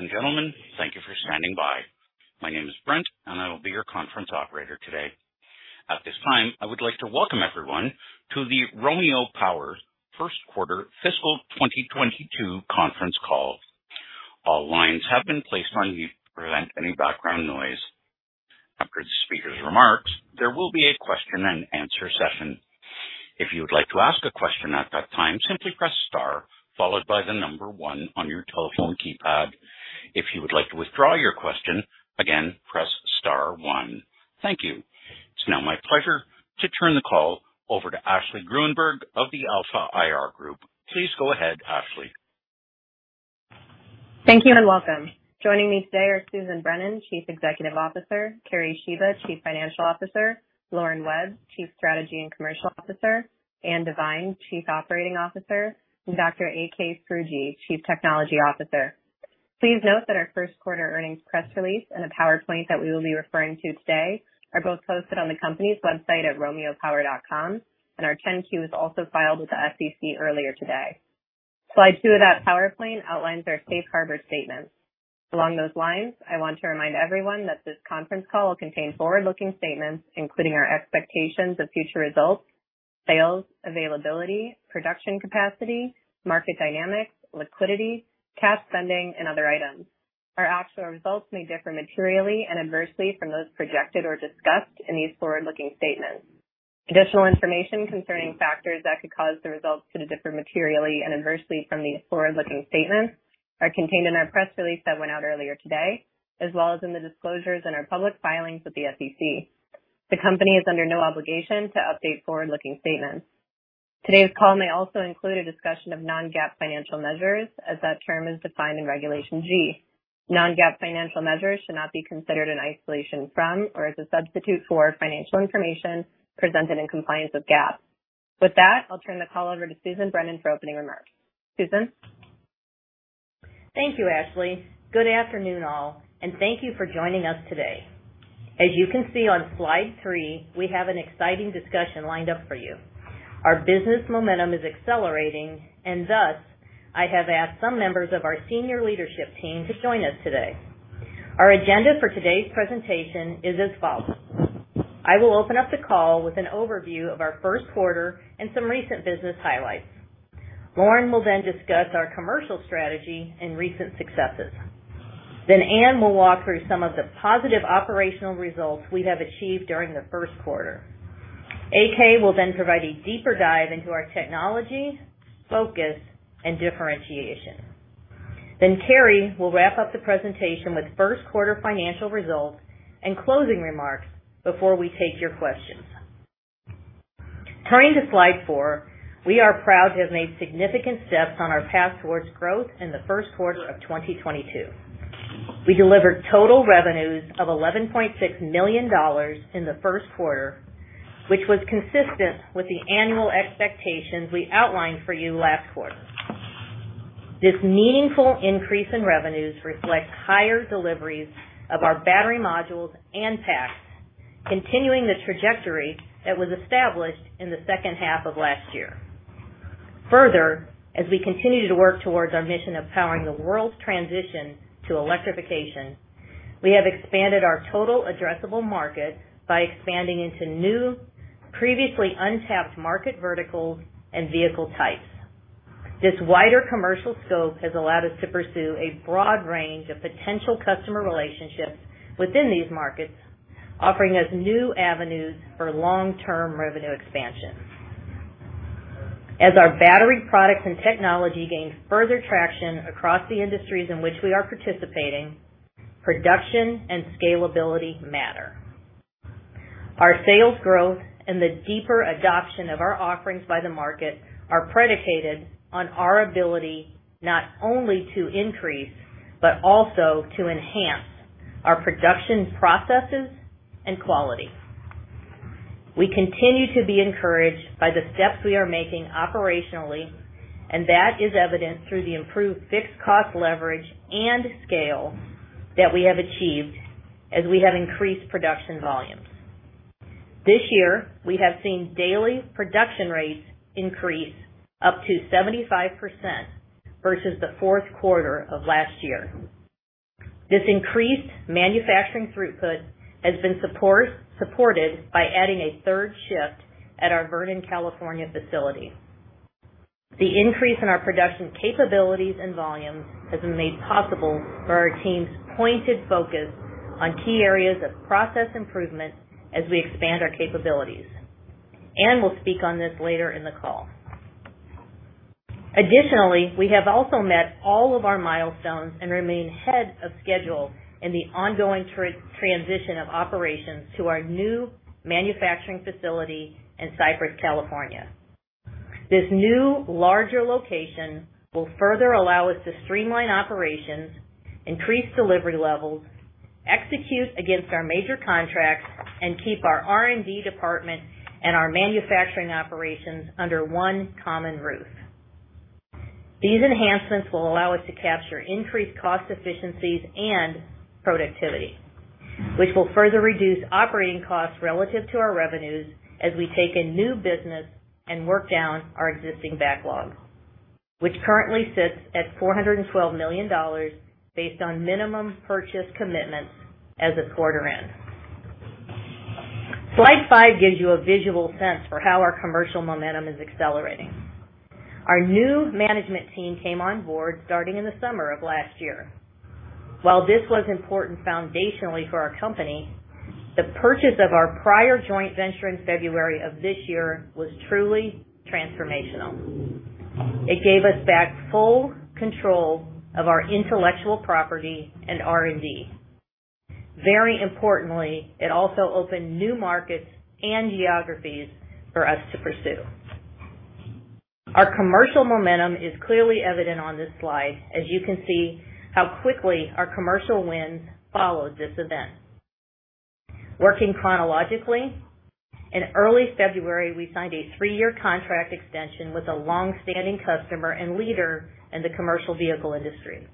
Ladies and gentlemen, thank you for standing by. My name is Brent, and I will be your conference operator today. At this time, I would like to welcome everyone to the Romeo Power First Quarter Fiscal 2022 conference call. All lines have been placed on mute to prevent any background noise. After the speaker's remarks, there will be a question and answer session. If you would like to ask a question at that time, simply press star followed by the number one on your telephone keypad. If you would like to withdraw your question, again, press star one. Thank you. It's now my pleasure to turn the call over to Ashley Gruenberg of the Alpha IR Group. Please go ahead, Ashley. Thank you, and welcome. Joining me today are Susan Brennan, Chief Executive Officer, Kerry Shiba, Chief Financial Officer, Lauren Webb, Chief Strategy and Commercial Officer, Anne Devine, Chief Operating Officer, and Dr. AK Srouji, Chief Technology Officer. Please note that our first quarter earnings press release and the PowerPoint that we will be referring to today are both posted on the company's website at romeopower.com, and our 10-Q is also filed with the SEC earlier today. Slide two of that PowerPoint outlines our safe harbor statements. Along those lines, I want to remind everyone that this conference call will contain forward-looking statements, including our expectations of future results, sales, availability, production capacity, market dynamics, liquidity, cash spending, and other items. Our actual results may differ materially and adversely from those projected or discussed in these forward-looking statements. Additional information concerning factors that could cause the results to differ materially and adversely from these forward-looking statements are contained in our press release that went out earlier today, as well as in the disclosures in our public filings with the SEC. The company is under no obligation to update forward-looking statements. Today's call may also include a discussion of non-GAAP financial measures, as that term is defined in Regulation G. Non-GAAP financial measures should not be considered in isolation from or as a substitute for financial information presented in compliance with GAAP. With that, I'll turn the call over to Susan Brennan for opening remarks. Susan? Thank you, Ashley. Good afternoon, all, and thank you for joining us today. As you can see on slide three, we have an exciting discussion lined up for you. Our business momentum is accelerating, and thus I have asked some members of our senior leadership team to join us today. Our agenda for today's presentation is as follows. I will open up the call with an overview of our first quarter and some recent business highlights. Lauren will then discuss our commercial strategy and recent successes. Then Anne will walk through some of the positive operational results we have achieved during the first quarter. AK will then provide a deeper dive into our technology, focus, and differentiation. Then Kerry will wrap up the presentation with first quarter financial results and closing remarks before we take your questions. Turning to slide four, we are proud to have made significant steps on our path towards growth in the first quarter of 2022. We delivered total revenues of $11.6 million in the first quarter, which was consistent with the annual expectations we outlined for you last quarter. This meaningful increase in revenues reflects higher deliveries of our battery modules and packs, continuing the trajectory that was established in the second half of last year. Further, as we continue to work towards our mission of powering the world's transition to electrification, we have expanded our total addressable market by expanding into new, previously untapped market verticals and vehicle types. This wider commercial scope has allowed us to pursue a broad range of potential customer relationships within these markets, offering us new avenues for long-term revenue expansion. As our battery products and technology gain further traction across the industries in which we are participating, production and scalability matter. Our sales growth and the deeper adoption of our offerings by the market are predicated on our ability not only to increase but also to enhance our production processes and quality. We continue to be encouraged by the steps we are making operationally, and that is evidenced through the improved fixed cost leverage and scale that we have achieved as we have increased production volumes. This year, we have seen daily production rates increase up to 75% versus the fourth quarter of last year. This increased manufacturing throughput has been supported by adding a third shift at our Vernon, California facility. The increase in our production capabilities and volumes has been made possible by our team's pointed focus on key areas of process improvement as we expand our capabilities. Anne will speak on this later in the call. Additionally, we have also met all of our milestones and remain ahead of schedule in the ongoing transition of operations to our new manufacturing facility in Cypress, California. This new, larger location will further allow us to streamline operations, increase delivery levels, execute against our major contracts, and keep our R&D department and our manufacturing operations under one common roof. These enhancements will allow us to capture increased cost efficiencies and productivity, which will further reduce operating costs relative to our revenues as we take in new business and work down our existing backlog, which currently sits at $412 million based on minimum purchase commitments as this quarter ends. Slide five gives you a visual sense for how our commercial momentum is accelerating. Our new management team came on board starting in the summer of last year. While this was important foundationally for our company, the purchase of our prior joint venture in February of this year was truly transformational. It gave us back full control of our intellectual property and R&D. Very importantly, it also opened new markets and geographies for us to pursue. Our commercial momentum is clearly evident on this slide as you can see how quickly our commercial wins followed this event. Working chronologically, in early February, we signed a three-year contract extension with a long-standing customer and leader in the commercial vehicle industry.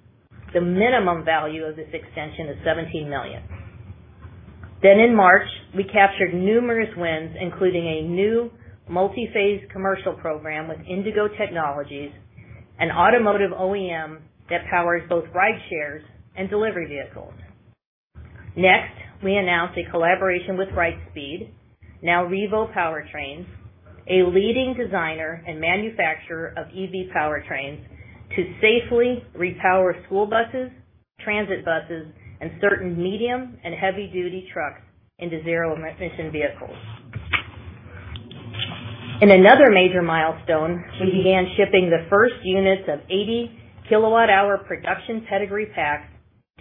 The minimum value of this extension is $17 million. In March, we captured numerous wins, including a new multi-phase commercial program with Indigo Technologies, an automotive OEM that powers both rideshares and delivery vehicles. Next, we announced a collaboration with Wrightspeed, now REVO Powertrains, a leading designer and manufacturer of EV powertrains to safely repower school buses, transit buses, and certain medium and heavy duty trucks into zero-emission vehicles. In another major milestone, we began shipping the first units of 80 kWh production Pedigree Packs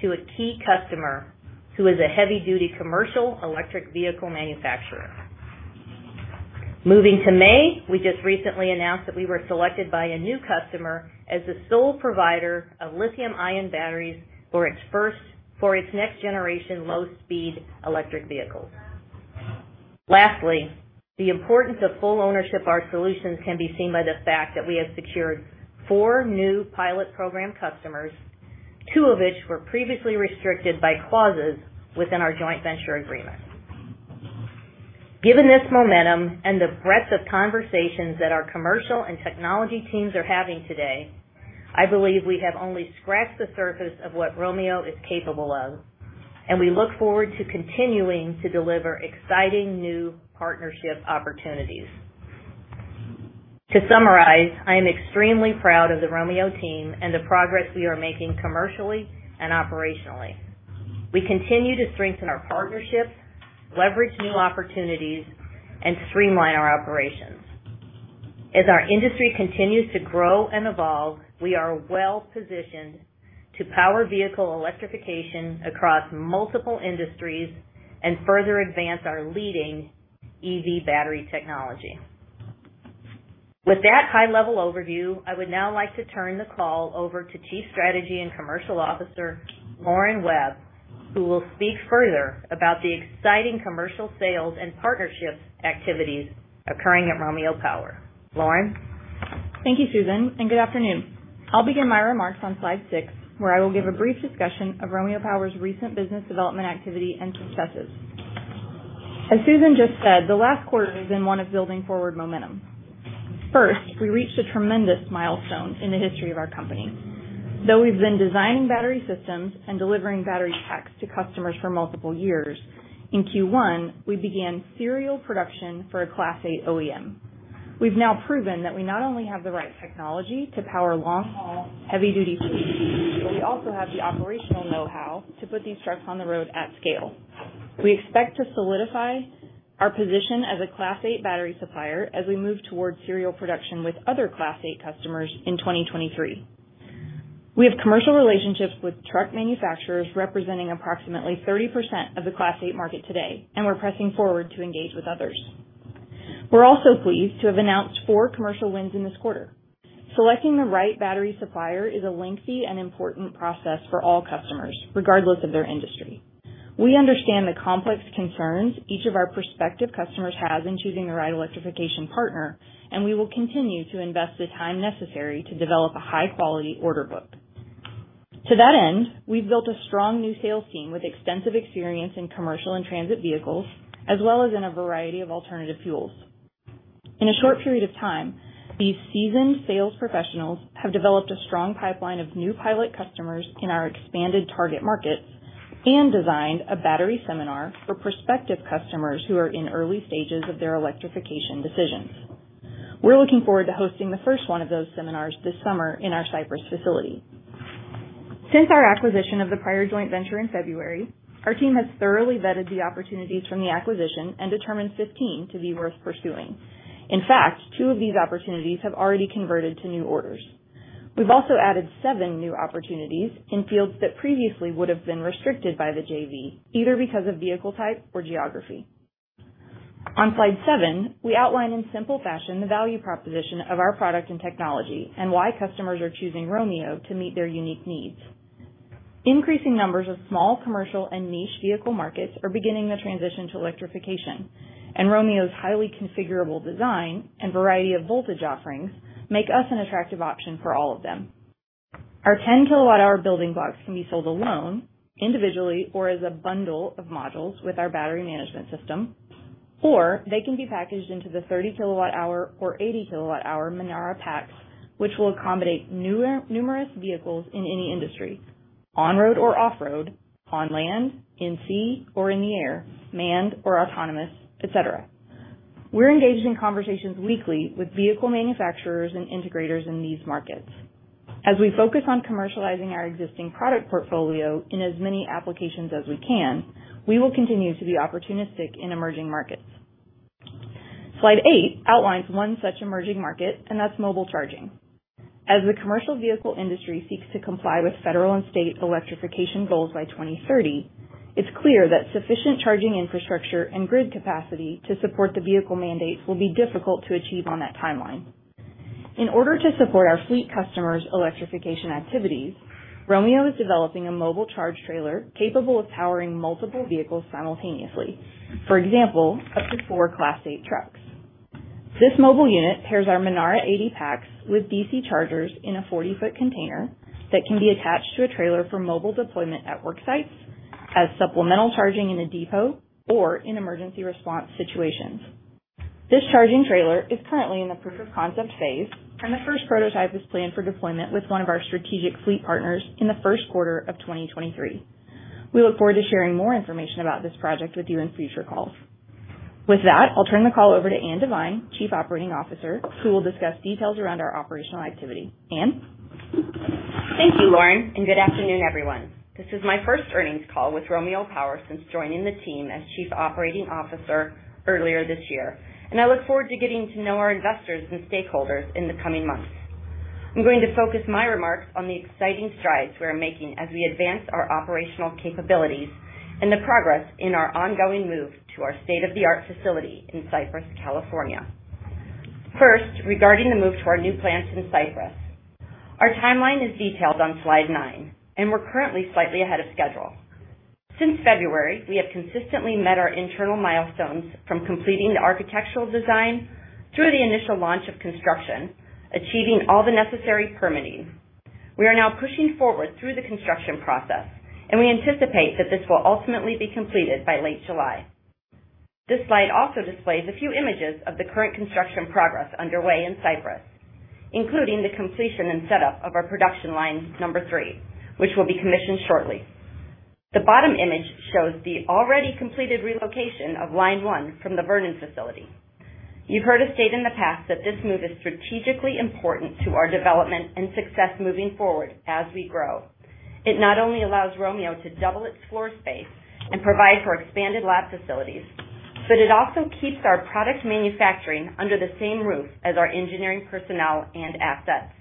to a key customer who is a heavy duty commercial electric vehicle manufacturer. Moving to May, we just recently announced that we were selected by a new customer as the sole provider of lithium-ion batteries for its next generation low speed electric vehicles. Lastly, the importance of full ownership of our solutions can be seen by the fact that we have secured four new pilot program customers, two of which were previously restricted by clauses within our joint venture agreement. Given this momentum and the breadth of conversations that our commercial and technology teams are having today, I believe we have only scratched the surface of what Romeo is capable of, and we look forward to continuing to deliver exciting new partnership opportunities. To summarize, I am extremely proud of the Romeo team and the progress we are making commercially and operationally. We continue to strengthen our partnerships, leverage new opportunities, and streamline our operations. As our industry continues to grow and evolve, we are well-positioned to power vehicle electrification across multiple industries and further advance our leading EV battery technology. With that high level overview, I would now like to turn the call over to Chief Strategy and Commercial Officer, Lauren Webb, who will speak further about the exciting commercial sales and partnerships activities occurring at Romeo Power. Lauren. Thank you, Susan, and good afternoon. I'll begin my remarks on slide six, where I will give a brief discussion of Romeo Power's recent business development activity and successes. As Susan just said, the last quarter has been one of building forward momentum. First, we reached a tremendous milestone in the history of our company. Though we've been designing battery systems and delivering battery packs to customers for multiple years, in Q1, we began serial production for a Class eight OEM. We've now proven that we not only have the right technology to power long-haul, heavy-duty trucks, but we also have the operational know-how to put these trucks on the road at scale. We expect to solidify our position as a Class eight battery supplier as we move towards serial production with other Class eight customers in 2023. We have commercial relationships with truck manufacturers representing approximately 30% of the Class eight market today, and we're pressing forward to engage with others. We're also pleased to have announced four commercial wins in this quarter. Selecting the right battery supplier is a lengthy and important process for all customers, regardless of their industry. We understand the complex concerns each of our prospective customers has in choosing the right electrification partner, and we will continue to invest the time necessary to develop a high-quality order book. To that end, we've built a strong new sales team with extensive experience in commercial and transit vehicles, as well as in a variety of alternative fuels. In a short period of time, these seasoned sales professionals have developed a strong pipeline of new pilot customers in our expanded target markets and designed a battery seminar for prospective customers who are in early stages of their electrification decisions. We're looking forward to hosting the first one of those seminars this summer in our Cypress facility. Since our acquisition of the prior joint venture in February, our team has thoroughly vetted the opportunities from the acquisition and determined 15 to be worth pursuing. In fact, two of these opportunities have already converted to new orders. We've also added seven new opportunities in fields that previously would have been restricted by the JV, either because of vehicle type or geography. On slide seven, we outline in simple fashion the value proposition of our product and technology and why customers are choosing Romeo to meet their unique needs. Increasing numbers of small commercial and niche vehicle markets are beginning the transition to electrification, and Romeo's highly configurable design and variety of voltage offerings make us an attractive option for all of them. Our 10 kWh building blocks can be sold alone, individually, or as a bundle of modules with our battery management system. Or they can be packaged into the 30 kWh or 80 kWh Menara packs, which will accommodate numerous vehicles in any industry, on-road or off-road, on land, in sea, or in the air, manned or autonomous, et cetera. We're engaged in conversations weekly with vehicle manufacturers and integrators in these markets. As we focus on commercializing our existing product portfolio in as many applications as we can, we will continue to be opportunistic in emerging markets. Slide eight outlines one such emerging market, and that's mobile charging. As the commercial vehicle industry seeks to comply with federal and state electrification goals by 2030, it's clear that sufficient charging infrastructure and grid capacity to support the vehicle mandates will be difficult to achieve on that timeline. In order to support our fleet customers' electrification activities, Romeo is developing a mobile charge trailer capable of powering multiple vehicles simultaneously. For example, up to four Class eight trucks. This mobile unit pairs our Menara 80 packs with DC chargers in a 40 ft container that can be attached to a trailer for mobile deployment at work sites as supplemental charging in a depot or in emergency response situations. This charging trailer is currently in the proof of concept phase, and the first prototype is planned for deployment with one of our strategic fleet partners in the first quarter of 2023. We look forward to sharing more information about this project with you in future calls. With that, I'll turn the call over to Anne Devine, Chief Operating Officer, who will discuss details around our operational activity. Anne? Thank you, Lauren, and good afternoon, everyone. This is my first earnings call with Romeo Power since joining the team as Chief Operating Officer earlier this year, and I look forward to getting to know our investors and stakeholders in the coming months. I'm going to focus my remarks on the exciting strides we are making as we advance our operational capabilities and the progress in our ongoing move to our state-of-the-art facility in Cypress, California. First, regarding the move to our new plants in Cypress. Our timeline is detailed on slide nine, and we're currently slightly ahead of schedule. Since February, we have consistently met our internal milestones from completing the architectural design through the initial launch of construction, achieving all the necessary permitting. We are now pushing forward through the construction process, and we anticipate that this will ultimately be completed by late July. This slide also displays a few images of the current construction progress underway in Cypress, including the completion and setup of our production line three, which will be commissioned shortly. The bottom image shows the already completed relocation of line one from the Vernon facility. You've heard us state in the past that this move is strategically important to our development and success moving forward as we grow. It not only allows Romeo to double its floor space and provide for expanded lab facilities, but it also keeps our product manufacturing under the same roof as our engineering personnel and assets,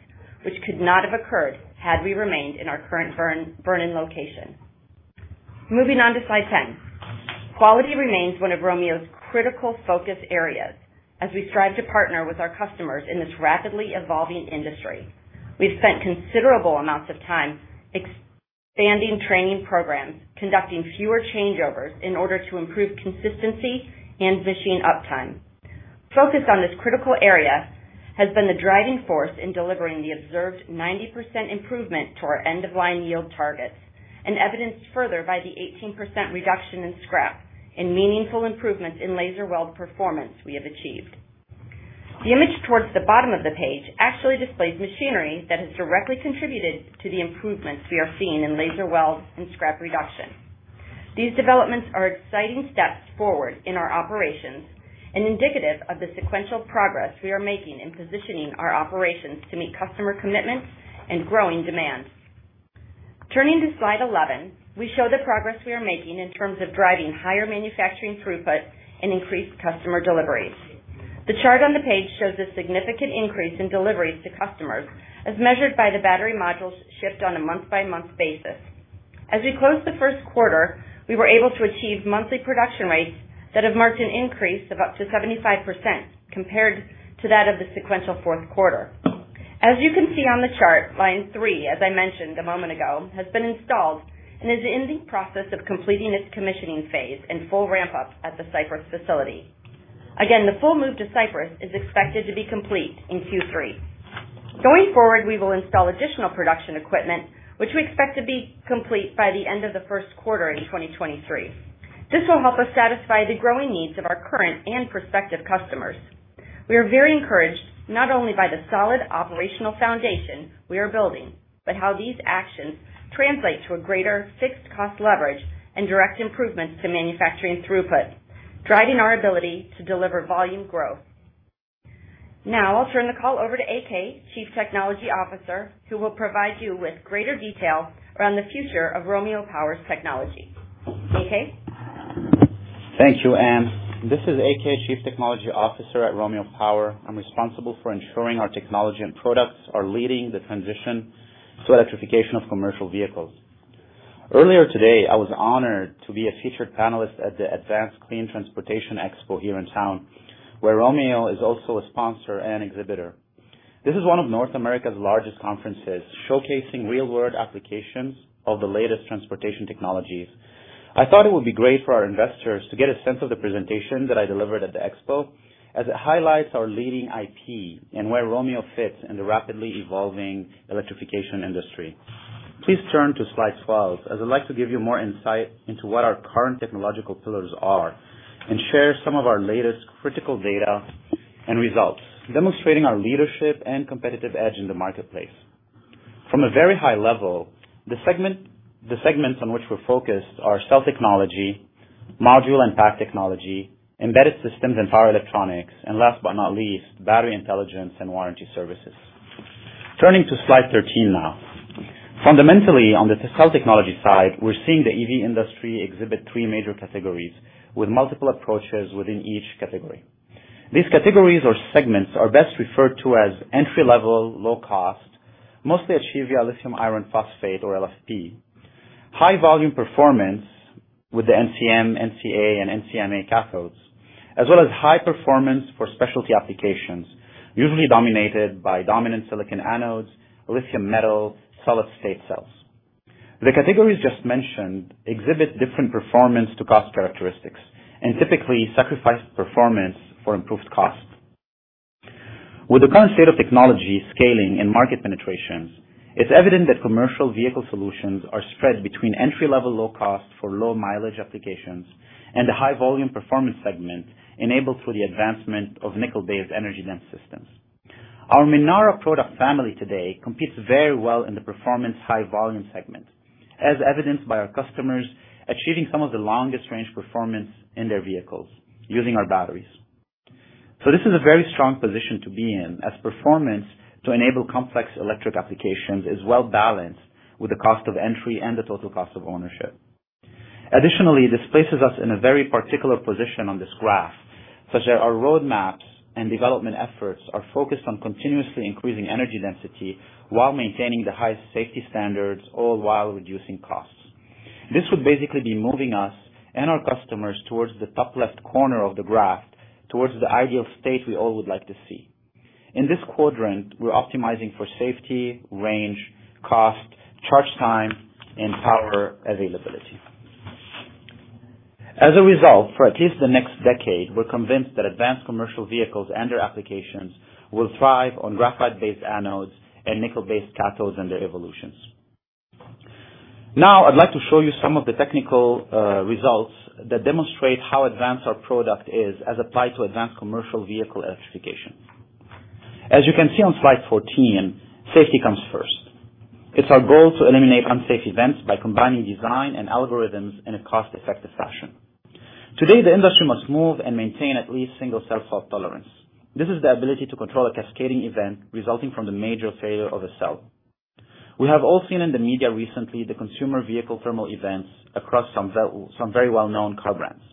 which could not have occurred had we remained in our current Vernon location. Moving on to slide 10. Quality remains one of Romeo's critical focus areas as we strive to partner with our customers in this rapidly evolving industry. We've spent considerable amounts of time expanding training programs, conducting fewer changeovers in order to improve consistency and machine uptime. Focus on this critical area has been the driving force in delivering the observed 90% improvement to our end-of-line yield targets and evidenced further by the 18% reduction in scrap and meaningful improvements in laser weld performance we have achieved. The image towards the bottom of the page actually displays machinery that has directly contributed to the improvements we are seeing in laser weld and scrap reduction. These developments are exciting steps forward in our operations and indicative of the sequential progress we are making in positioning our operations to meet customer commitments and growing demands. Turning to slide 11, we show the progress we are making in terms of driving higher manufacturing throughput and increased customer deliveries. The chart on the page shows a significant increase in deliveries to customers as measured by the battery modules shipped on a month-by-month basis. As we close the first quarter, we were able to achieve monthly production rates that have marked an increase of up to 75% compared to that of the sequential fourth quarter. As you can see on the chart, line three, as I mentioned a moment ago, has been installed and is in the process of completing its commissioning phase and full ramp up at the Cypress facility. Again, the full move to Cypress is expected to be complete in Q3. Going forward, we will install additional production equipment, which we expect to be complete by the end of the first quarter in 2023. This will help us satisfy the growing needs of our current and prospective customers. We are very encouraged, not only by the solid operational foundation we are building, but how these actions translate to a greater fixed cost leverage and direct improvements to manufacturing throughput, driving our ability to deliver volume growth. Now I'll turn the call over to AK, Chief Technology Officer, who will provide you with greater detail around the future of Romeo Power's technology. AK? Thank you, Anne. This is AK, Chief Technology Officer at Romeo Power. I'm responsible for ensuring our technology and products are leading the transition to electrification of commercial vehicles. Earlier today, I was honored to be a featured panelist at the Advanced Clean Transportation Expo here in town, where Romeo is also a sponsor and exhibitor. This is one of North America's largest conferences, showcasing real-world applications of the latest transportation technologies. I thought it would be great for our investors to get a sense of the presentation that I delivered at the expo as it highlights our leading IP and where Romeo fits in the rapidly evolving electrification industry. Please turn to slide 12, as I'd like to give you more insight into what our current technological pillars are and share some of our latest critical data and results, demonstrating our leadership and competitive edge in the marketplace. From a very high level, the segments on which we're focused are cell technology, module and pack technology, embedded systems and power electronics, and last but not least, battery intelligence and warranty services. Turning to slide 13 now. Fundamentally, on the cell technology side, we're seeing the EV industry exhibit three major categories with multiple approaches within each category. These categories or segments are best referred to as entry-level, low cost, mostly achieved via lithium iron phosphate or LFP. High volume performance with the NCM, NCA, and NCMA cathodes. As well as high performance for specialty applications, usually dominated by silicon anodes, lithium metal, solid-state cells. The categories just mentioned exhibit different performance to cost characteristics and typically sacrifice performance for improved cost. With the current state of technology, scaling and market penetrations, it's evident that commercial vehicle solutions are spread between entry-level low cost for low mileage applications and the high volume performance segment enabled through the advancement of nickel-based energy dense systems. Our Menara product family today competes very well in the performance high volume segment, as evidenced by our customers achieving some of the longest range performance in their vehicles using our batteries. This is a very strong position to be in as performance to enable complex electric applications is well-balanced with the cost of entry and the total cost of ownership. Additionally, this places us in a very particular position on this graph, such that our road maps and development efforts are focused on continuously increasing energy density while maintaining the highest safety standards, all while reducing costs. This would basically be moving us and our customers towards the top left corner of the graph, towards the ideal state we all would like to see. In this quadrant, we're optimizing for safety, range, cost, charge time, and power availability. As a result, for at least the next decade, we're convinced that advanced commercial vehicles and their applications will thrive on graphite-based anodes and nickel-based cathodes and their evolutions. Now, I'd like to show you some of the technical results that demonstrate how advanced our product is as applied to advanced commercial vehicle electrification. As you can see on slide 14, safety comes first. It's our goal to eliminate unsafe events by combining design and algorithms in a cost-effective fashion. Today, the industry must move and maintain at least single cell fault tolerance. This is the ability to control a cascading event resulting from the major failure of a cell. We have all seen in the media recently the consumer vehicle thermal events across some very well-known car brands.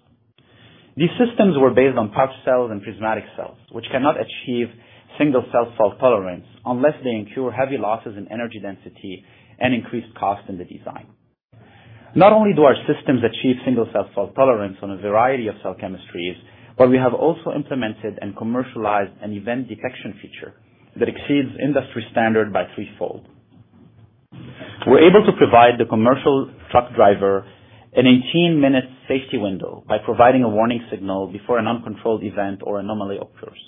These systems were based on pouch cells and prismatic cells, which cannot achieve single cell fault tolerance unless they incur heavy losses in energy density and increased cost in the design. Not only do our systems achieve single cell fault tolerance on a variety of cell chemistries, but we have also implemented and commercialized an event detection feature that exceeds industry standard by threefold. We're able to provide the commercial truck driver an 18-minute safety window by providing a warning signal before an uncontrolled event or anomaly occurs.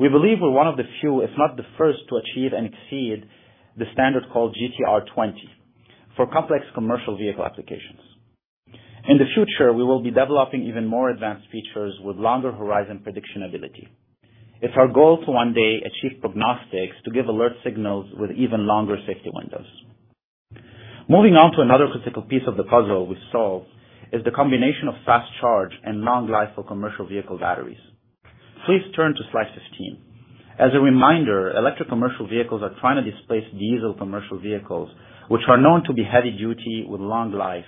We believe we're one of the few, if not the first, to achieve and exceed the standard called GTR 20 for complex commercial vehicle applications. In the future, we will be developing even more advanced features with longer horizon prediction ability. It's our goal to one day achieve prognostics to give alert signals with even longer safety windows. Moving on to another critical piece of the puzzle we solve is the combination of fast charge and long life for commercial vehicle batteries. Please turn to slide 15. As a reminder, electric commercial vehicles are trying to displace diesel commercial vehicles, which are known to be heavy-duty with long life,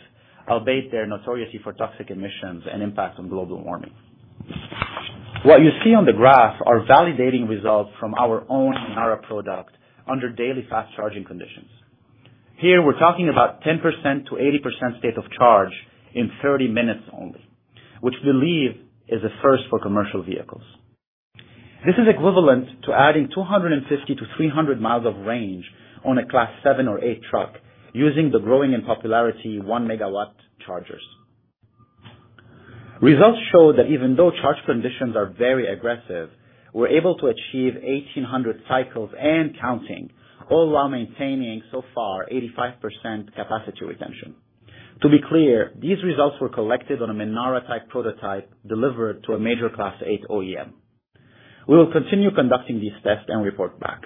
albeit their notoriety for toxic emissions and impact on global warming. What you see on the graph are validating results from our own Menara product under daily fast charging conditions. Here we're talking about 10%-80% state of charge in 30 minutes only, which we believe is a first for commercial vehicles. This is equivalent to adding 250-300 mi of range on a Class seven or Class eight truck using the growing in popularity 1 MW chargers. Results show that even though charge conditions are very aggressive, we're able to achieve 1,800 cycles and counting, all while maintaining, so far, 85% capacity retention. To be clear, these results were collected on a Menara-type prototype delivered to a major Class eight OEM. We will continue conducting these tests and report back.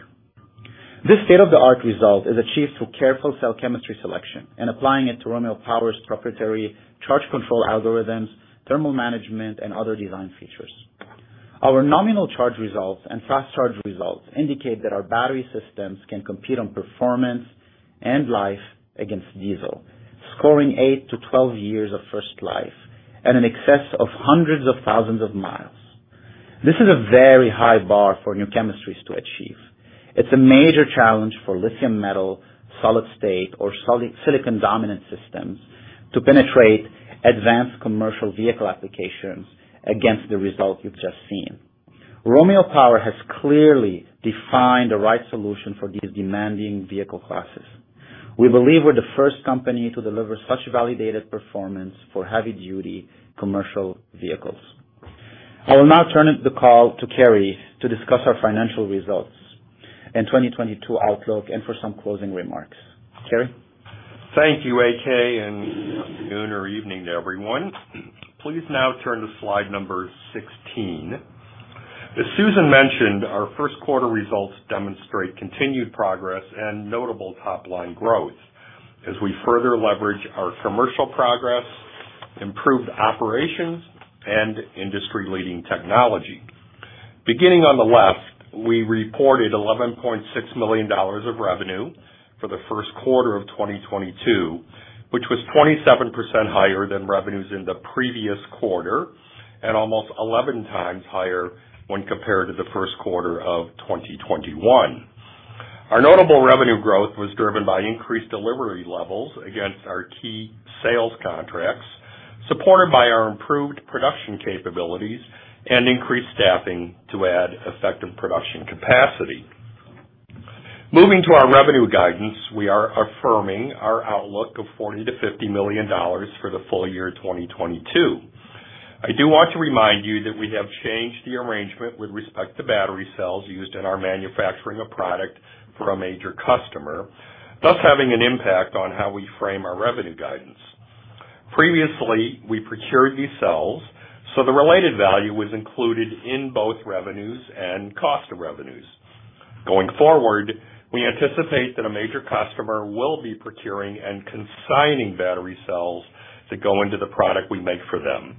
This state-of-the-art result is achieved through careful cell chemistry selection and applying it to Romeo Power's proprietary charge control algorithms, thermal management, and other design features. Our nominal charge results and fast charge results indicate that our battery systems can compete on performance and life against diesel, scoring eight-12 years of first life at an excess of hundreds of thousands of miles. This is a very high bar for new chemistries to achieve. It's a major challenge for lithium metal, solid-state or silicon-dominant systems to penetrate advanced commercial vehicle applications against the results you've just seen. Romeo Power has clearly defined the right solution for these demanding vehicle classes. We believe we're the first company to deliver such validated performance for heavy duty commercial vehicles. I will now turn the call to Kerry to discuss our financial results and 2022 outlook and for some closing remarks. Kerry? Thank you, AK, and good afternoon or evening to everyone. Please now turn to slide number 16. As Susan mentioned, our first quarter results demonstrate continued progress and notable top-line growth as we further leverage our commercial progress, improved operations, and industry-leading technology. Beginning on the left, we reported $11.6 million of revenue for the first quarter of 2022, which was 27% higher than revenues in the previous quarter and almost 11 times higher when compared to the first quarter of 2021. Our notable revenue growth was driven by increased delivery levels against our key sales contracts, supported by our improved production capabilities and increased staffing to add effective production capacity. Moving to our revenue guidance, we are affirming our outlook of $40 million-$50 million for the full year 2022. I do want to remind you that we have changed the arrangement with respect to battery cells used in our manufacturing of product for a major customer, thus having an impact on how we frame our revenue guidance. Previously, we procured these cells, so the related value was included in both revenues and cost of revenues. Going forward, we anticipate that a major customer will be procuring and consigning battery cells that go into the product we make for them.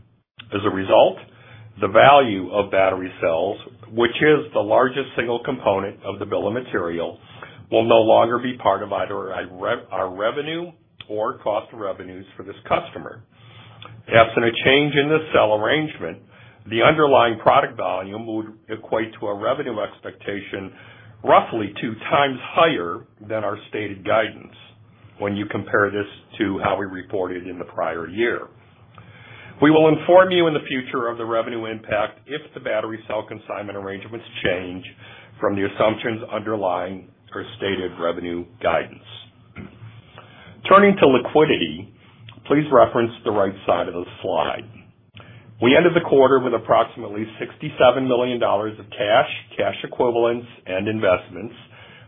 As a result, the value of battery cells, which is the largest single component of the bill of material, will no longer be part of either our revenue or cost of revenues for this customer. Absent a change in the cell arrangement, the underlying product volume would equate to a revenue expectation roughly two times higher than our stated guidance when you compare this to how we reported in the prior year. We will inform you in the future of the revenue impact if the battery cell consignment arrangements change from the assumptions underlying our stated revenue guidance. Turning to liquidity, please reference the right side of the slide. We ended the quarter with approximately $67 million of cash equivalents, and investments,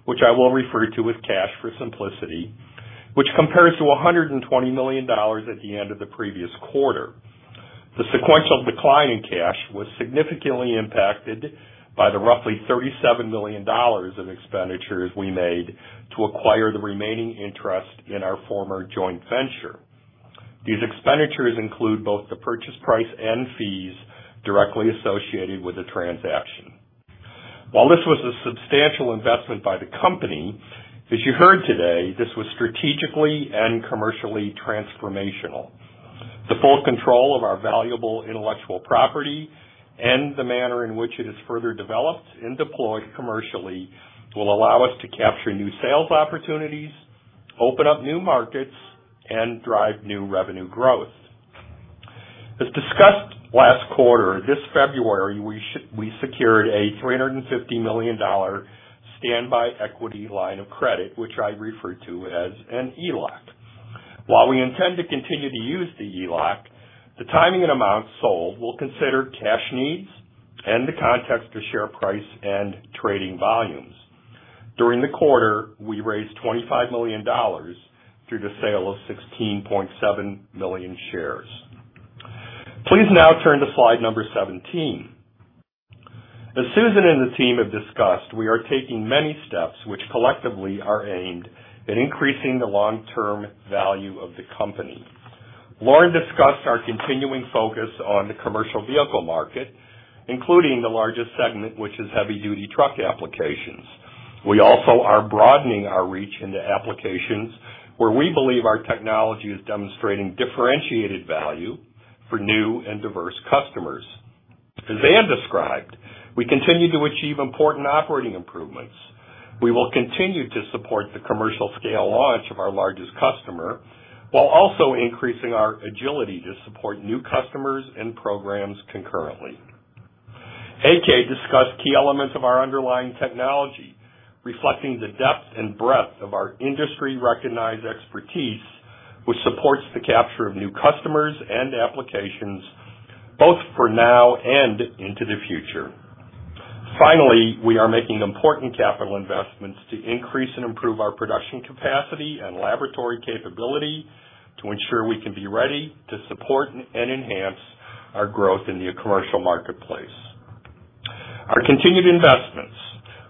which I will refer to as cash for simplicity, which compares to $120 million at the end of the previous quarter. The sequential decline in cash was significantly impacted by the roughly $37 million in expenditures we made to acquire the remaining interest in our former joint venture. These expenditures include both the purchase price and fees directly associated with the transaction. While this was a substantial investment by the company, as you heard today, this was strategically and commercially transformational. The full control of our valuable intellectual property and the manner in which it is further developed and deployed commercially will allow us to capture new sales opportunities, open up new markets, and drive new revenue growth. As discussed last quarter, this February, we secured a $350 million standby equity line of credit, which I refer to as an ELOC. While we intend to continue to use the ELOC, the timing and amount sold will consider cash needs and the context of share price and trading volumes. During the quarter, we raised $25 million through the sale of 16.7 million shares. Please now turn to slide 17. As Susan and the team have discussed, we are taking many steps which collectively are aimed at increasing the long-term value of the company. Lauren discussed our continuing focus on the commercial vehicle market, including the largest segment, which is heavy-duty truck applications. We also are broadening our reach into applications where we believe our technology is demonstrating differentiated value for new and diverse customers. As Anne described, we continue to achieve important operating improvements. We will continue to support the commercial scale launch of our largest customer while also increasing our agility to support new customers and programs concurrently. AK discussed key elements of our underlying technology, reflecting the depth and breadth of our industry-recognized expertise, which supports the capture of new customers and applications both for now and into the future. Finally, we are making important capital investments to increase and improve our production capacity and laboratory capability to ensure we can be ready to support and enhance our growth in the commercial marketplace. Our continued investments,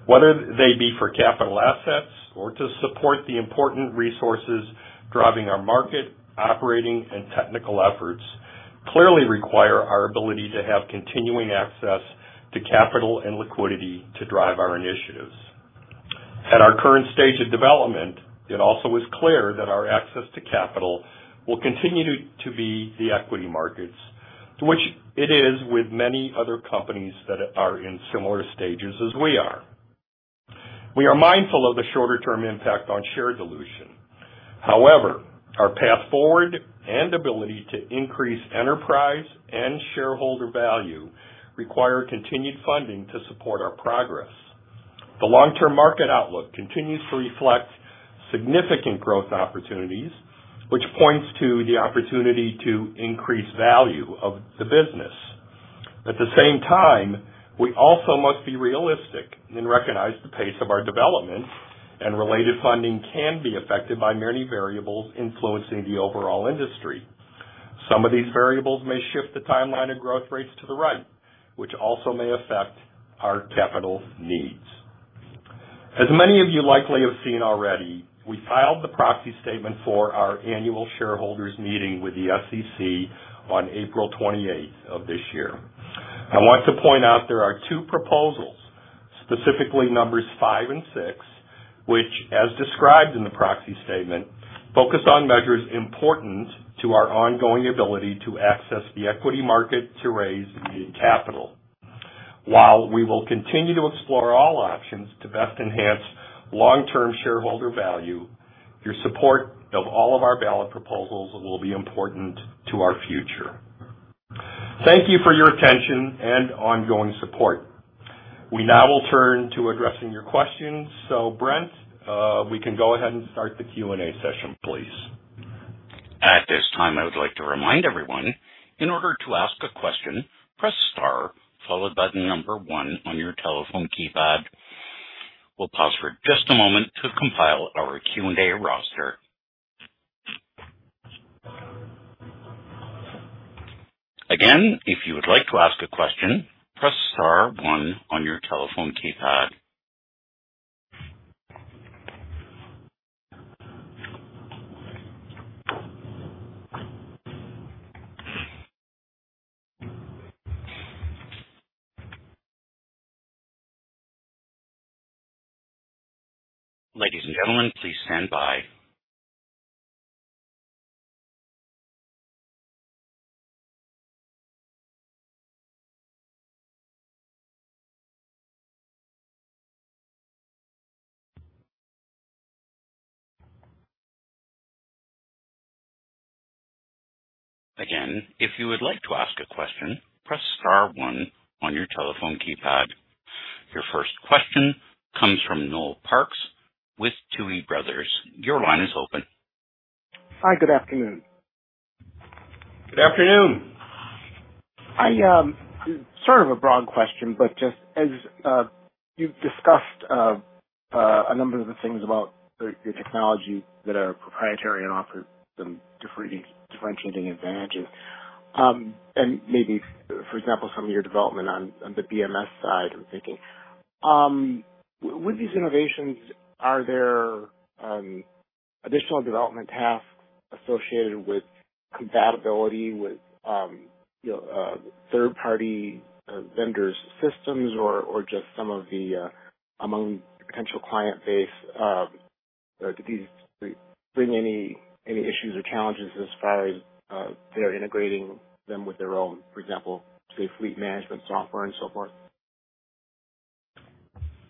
whether they be for capital assets or to support the important resources driving our market, operating, and technical efforts, clearly require our ability to have continuing access to capital and liquidity to drive our initiatives. At our current stage of development, it also is clear that our access to capital will continue to be the equity markets as it is with many other companies that are in similar stages as we are. We are mindful of the shorter term impact on share dilution. However, our path forward and ability to increase enterprise and shareholder value require continued funding to support our progress. The long term market outlook continues to reflect significant growth opportunities, which points to the opportunity to increase value of the business. At the same time, we also must be realistic and recognize the pace of our development and related funding can be affected by many variables influencing the overall industry. Some of these variables may shift the timeline and growth rates to the right, which also may affect our capital needs. As many of you likely have seen already, we filed the proxy statement for our annual shareholders meeting with the SEC on April 28th of this year. I want to point out there are two proposals, specifically numbers five and six, which as described in the proxy statement, focus on measures important to our ongoing ability to access the equity market to raise capital. While we will continue to explore all options to best enhance long-term shareholder value, your support of all of our ballot proposals will be important to our future. Thank you for your attention and ongoing support. We now will turn to addressing your questions. Brent, we can go ahead and start the Q&A session, please. At this time, I would like to remind everyone, in order to ask a question, press star followed by the number one on your telephone keypad. We'll pause for just a moment to compile our Q&A roster. Again, if you would like to ask a question, press star one on your telephone keypad. Ladies and gentlemen, please stand by. Again, if you would like to ask a question, press star 1 on your telephone keypad. Your first question comes from Noel Parks with Tuohy Brothers. Your line is open. Hi. Good afternoon. Good afternoon. It's sort of a broad question, but just as you've discussed a number of the things about the technology that are proprietary and offer some differentiating advantages, and maybe for example, some of your development on the BMS side, I'm thinking. With these innovations, are there additional development tasks associated with compatibility with you know third-party vendors' systems or just some of the other among potential client base? Do these bring any issues or challenges as far as they're integrating them with their own, for example, say, fleet management software and so forth?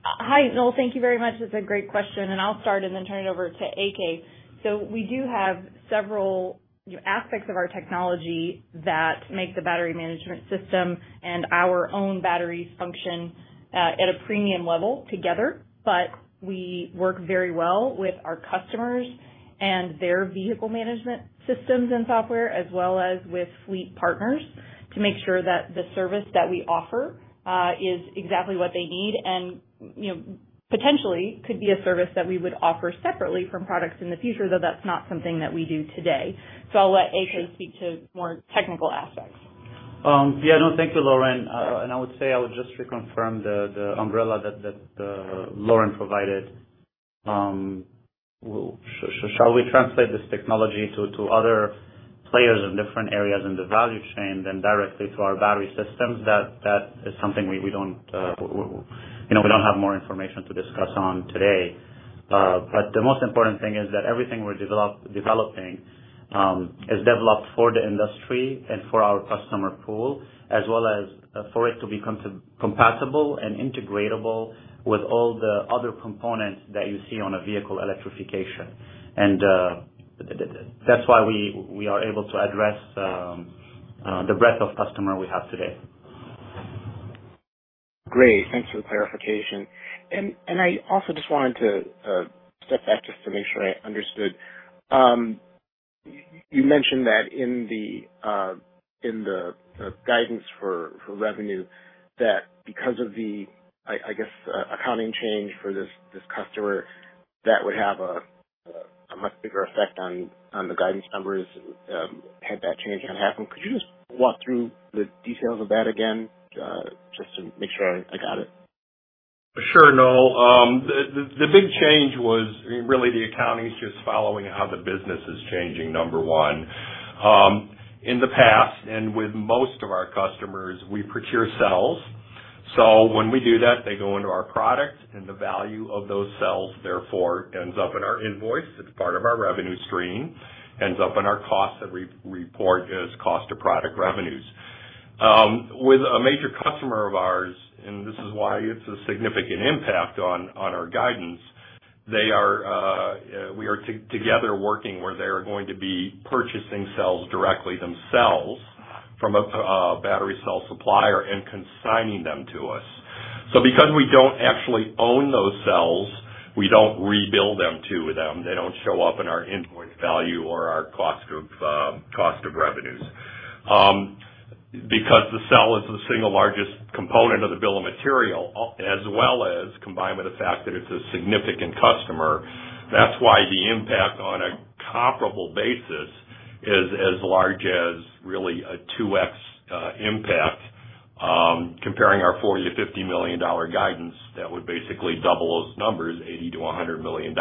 Hi, Noel. Thank you very much. That's a great question, and I'll start and then turn it over to AK. We do have several aspects of our technology that make the battery management system and our own batteries function at a premium level together. But we work very well with our customers and their vehicle management systems and software, as well as with fleet partners, to make sure that the service that we offer is exactly what they need and, you know, potentially could be a service that we would offer separately from products in the future, though that's not something that we do today. I'll let AK speak to more technical aspects. Yeah, no, thank you, Lauren. I would say I would just reconfirm the umbrella that Lauren provided. Shall we translate this technology to other players in different areas in the value chain than directly to our battery systems? That is something we don't, you know, have more information to discuss on today. But the most important thing is that everything we're developing is developed for the industry and for our customer pool, as well as for it to be compatible and integratable with all the other components that you see on a vehicle electrification. That's why we are able to address the breadth of customer we have today. Great. Thanks for the clarification. I also just wanted to step back just to make sure I understood. You mentioned that in the guidance for revenue, that because of the, I guess, accounting change for this customer, that would have a much bigger effect on the guidance numbers, had that change had happened. Could you just walk through the details of that again, just to make sure I got it? Sure, Noel. The big change was really the accounting is just following how the business is changing, number one. In the past, with most of our customers, we procure cells. When we do that, they go into our product and the value of those cells therefore ends up in our invoice. It's part of our revenue stream, ends up in our costs that we report as cost of product revenues. With a major customer of ours, this is why it's a significant impact on our guidance. We are together working where they are going to be purchasing cells directly themselves from a battery cell supplier and consigning them to us. Because we don't actually own those cells, we don't rebill them to them. They don't show up in our invoice value or our cost of revenues. Because the cell is the single largest component of the bill of material, as well as combined with the fact that it's a significant customer, that's why the impact on a comparable basis is as large as really a 2x impact, comparing our $40-$50 million guidance that would basically double those numbers, $80-$100 million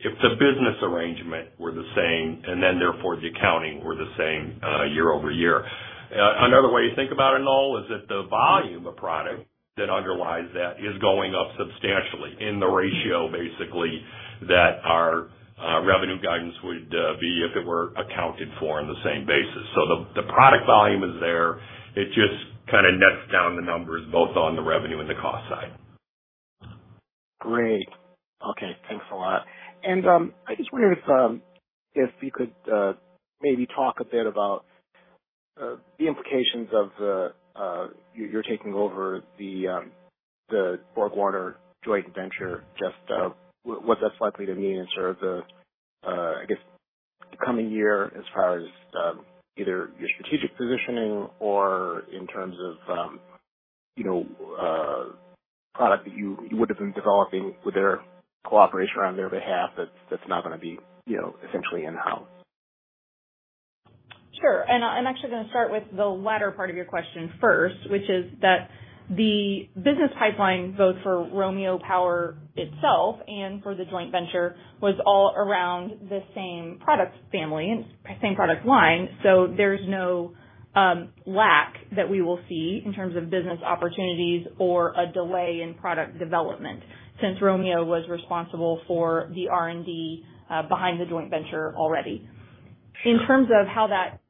if the business arrangement were the same, and then therefore, the accounting were the same, year-over-year. Another way to think about it, Noel, is that the volume of product that underlies that is going up substantially in the ratio basically that our revenue guidance would be if it were accounted for on the same basis. The product volume is there. It just kinda nets down the numbers both on the revenue and the cost side. Great. Okay, thanks a lot. I just wonder if you could maybe talk a bit about the implications of you're taking over the BorgWarner joint venture, just what that's likely to mean sort of the I guess the coming year as far as either your strategic positioning or in terms of you know product that you would've been developing with their cooperation on their behalf that's not gonna be you know essentially in-house. Sure. I'm actually gonna start with the latter part of your question first, which is that the business pipeline, both for Romeo Power itself and for the joint venture, was all around the same product family and same product line. There's no lack that we will see in terms of business opportunities or a delay in product development since Romeo was responsible for the R&D behind the joint venture already. In terms of how that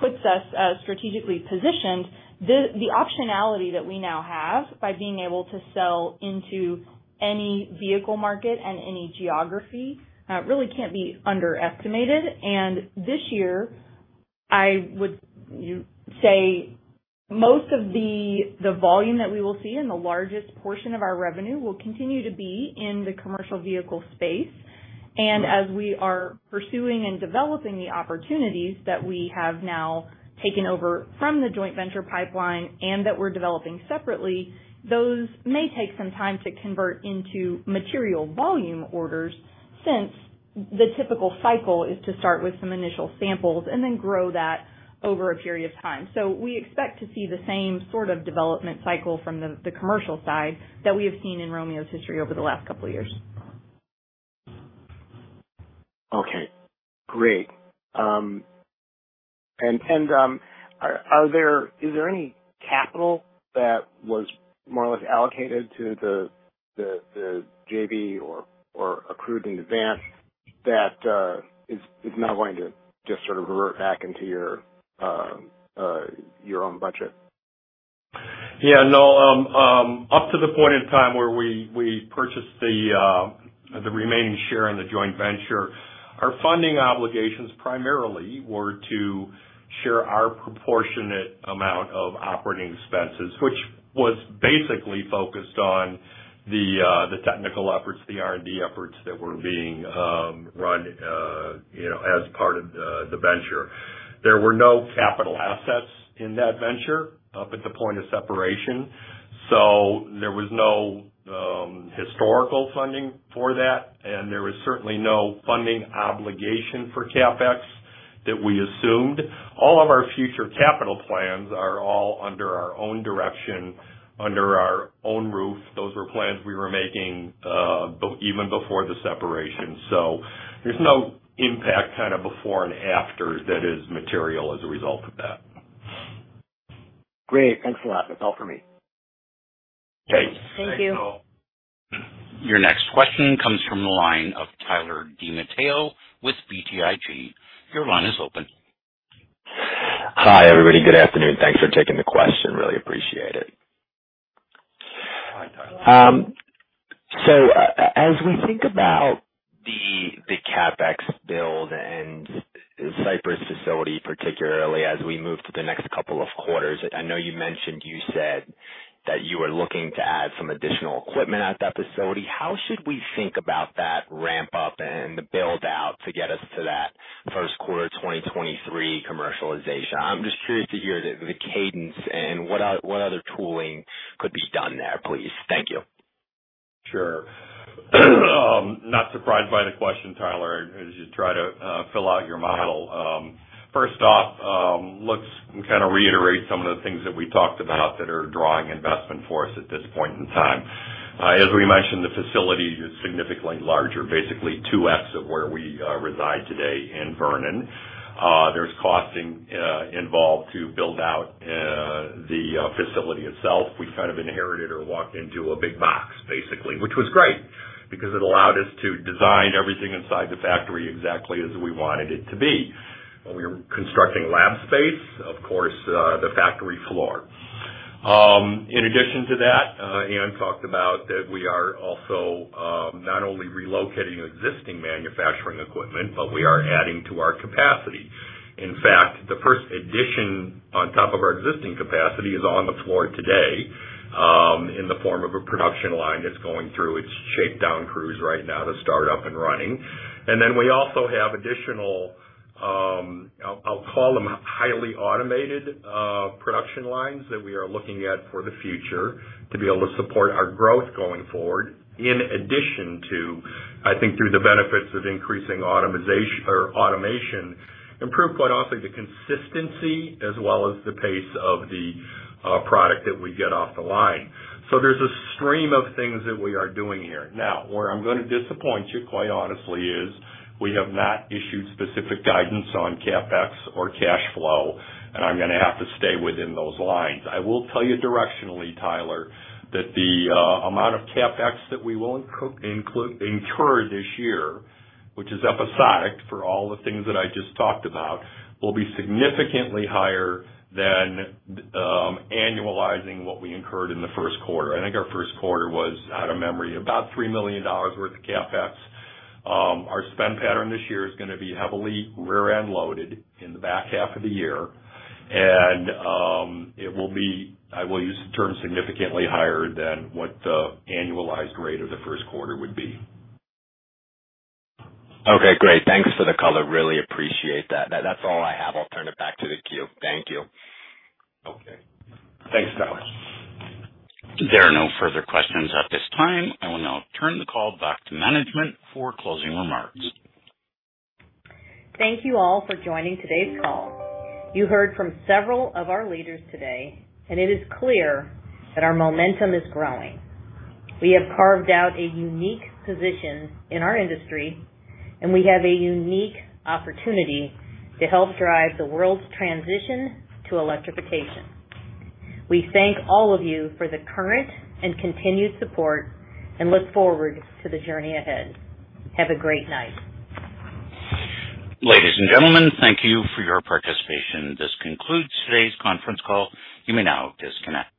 puts us strategically positioned, the optionality that we now have by being able to sell into any vehicle market and any geography really can't be underestimated. This year, I would say most of the volume that we will see and the largest portion of our revenue will continue to be in the commercial vehicle space. As we are pursuing and developing the opportunities that we have now taken over from the joint venture pipeline and that we're developing separately, those may take some time to convert into material volume orders since the typical cycle is to start with some initial samples and then grow that over a period of time. We expect to see the same sort of development cycle from the commercial side that we have seen in Romeo's history over the last couple of years. Okay, great. Is there any capital that was more or less allocated to the JV or accrued in advance that is now going to just sort of revert back into your own budget? Yeah, no, up to the point in time where we purchased the remaining share in the joint venture, our funding obligations primarily were to share our proportionate amount of operating expenses, which was basically focused on the technical efforts, the R&D efforts that were being run, you know, as part of the venture. There were no capital assets in that venture up to the point of separation, so there was no historical funding for that, and there was certainly no funding obligation for CapEx that we assumed. All of our future capital plans are all under our own direction, under our own roof. Those were plans we were making even before the separation. There's no impact kind of before and after that is material as a result of that. Great. Thanks a lot. That's all for me. Okay. Thank you. Thanks, Noel. Your next question comes from the line of Tyler DiMatteo with BTIG. Your line is open. Hi, everybody. Good afternoon. Thanks for taking the question. Really appreciate it. Hi, Tyler. As we think about the CapEx build and Cypress facility, particularly as we move to the next couple of quarters, I know you mentioned you said that you are looking to add some additional equipment at that facility. How should we think about that ramp-up and the build-out to get us to that first quarter of 2023 commercialization? I'm just curious to hear the cadence and what other tooling could be done there, please. Thank you. Sure. Not surprised by the question, Tyler, as you try to fill out your model. First off, let's kind of reiterate some of the things that we talked about that are drawing investment for us at this point in time. As we mentioned, the facility is significantly larger, basically 2x of where we reside today in Vernon. There's costing involved to build out the facility itself. We kind of inherited or walked into a big box basically, which was great because it allowed us to design everything inside the factory exactly as we wanted it to be. We were constructing lab space, of course, the factory floor. In addition to that, Anne talked about that we are also not only relocating existing manufacturing equipment, but we are adding to our capacity. In fact, the first addition on top of our existing capacity is on the floor today, in the form of a production line that's going through its shakedown cruise right now to start up and running. We also have additional, I'll call them highly automated production lines that we are looking at for the future to be able to support our growth going forward, in addition to, I think, through the benefits of increasing automation or automation, improve quality also the consistency as well as the pace of the product that we get off the line. There's a stream of things that we are doing here. Now, where I'm gonna disappoint you, quite honestly, is we have not issued specific guidance on CapEx or cash flow, and I'm gonna have to stay within those lines. I will tell you directionally, Tyler, that the amount of CapEx that we will incur this year, which is episodic for all the things that I just talked about, will be significantly higher than annualizing what we incurred in the first quarter. I think our first quarter was from memory, about $3 million worth of CapEx. Our spend pattern this year is gonna be heavily rear-end loaded in the back half of the year. It will be, I will use the term significantly higher than what the annualized rate of the first quarter would be. Okay, great. Thanks for the color. Really appreciate that. That's all I have. I'll turn it back to the queue. Thank you. Okay. Thanks so much. There are no further questions at this time. I will now turn the call back to management for closing remarks. Thank you all for joining today's call. You heard from several of our leaders today, and it is clear that our momentum is growing. We have carved out a unique position in our industry, and we have a unique opportunity to help drive the world's transition to electrification. We thank all of you for the current and continued support and look forward to the journey ahead. Have a great night. Ladies and gentlemen, thank you for your participation. This concludes today's conference call. You may now disconnect.